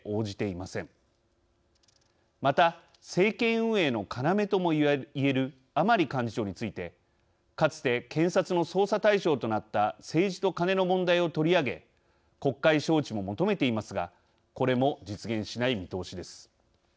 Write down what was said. また、政権運営の要ともいえる甘利幹事長についてかつて検察の捜査対象となった政治とカネの問題を取り上げ国会招致も求めていますがこれも実現しない見通しです。